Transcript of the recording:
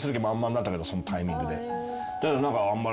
だけど何かあんまり。